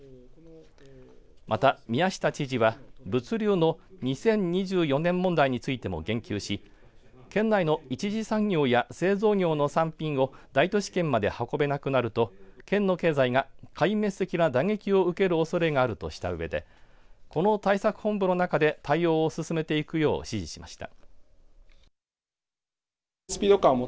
また宮下知事は物流の２０２４年問題についても言及し県内の一次産業や製造業の産品を大都市圏まで運べなくなると県の経済が壊滅的な打撃を受けるおそれがあるとしたうえでこの対策本部の中で対応を進めていくよう指示しました。